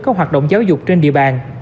có hoạt động giáo dục trên địa bàn